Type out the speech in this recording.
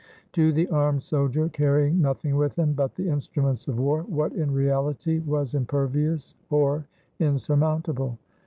To the armed soldier, carrying nothing with him but the instruments of war, what in reality was impervious or insurmountable?